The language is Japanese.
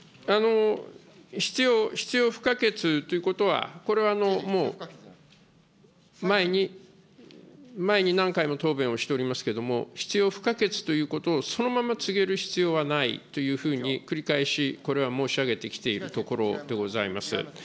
必要不可欠ということはこれは、もう前に、前に何回も答弁をしておりますけれども、必要不可欠ということをそのまま告げる必要はないというふうに繰り返しこれは申し上げてきているところでございます。